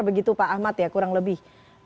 begitu pak ahmad ya kurang lebih